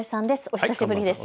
お久しぶりです。